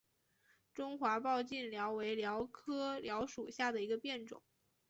中华抱茎蓼为蓼科蓼属下的一个变种。